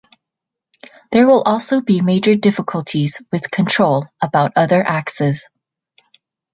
There will also be major difficulties with control about other axes.